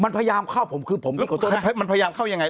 มันพยายามเข้าผมคือผมไม่ขอโทษมันพยายามเข้ายังไง